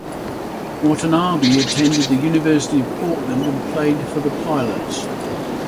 Watanabe attended the University of Portland and played for the Pilots.